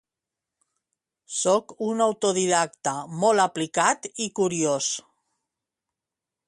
Sóc un autodidacte molt aplicat i curiós